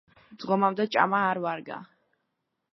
ძღომამდე ჭამა არ ვარგა.